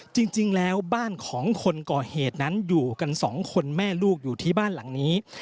จริงแล้วบ้านของคนก่อเหตุนั้นอยู่กันสองคนแม่ลูกอยู่ที่บ้านหลังนี้